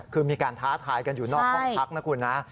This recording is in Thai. คือมีการท้าทายกันอยู่นอกห้องพักนะคุณนะ